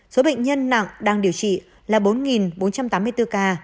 số bệnh nhân nặng đang điều trị là bốn bốn trăm tám mươi bốn ca